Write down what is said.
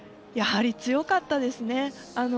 やはり強かったですね。